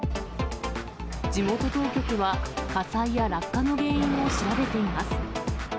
地元当局は、火災や落下の原因を調べています。